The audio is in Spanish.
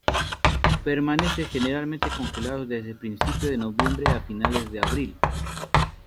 Permanece generalmente congelado desde principios de noviembre a finales de abril.